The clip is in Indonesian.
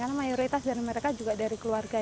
karena mayoritas dari mereka juga dari keluarga ya